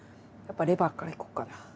やっぱレバーからいこうかな。